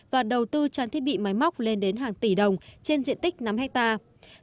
và đầu tư trang thiết bị máy móc lên đến hàng tỷ đồng trên diện tích năm hectare